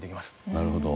なるほど。